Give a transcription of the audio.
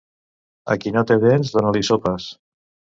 A qui no té dents, dona-li sopes.